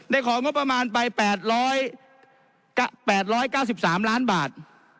ของงบประมาณไป๘๙๓ล้านบาท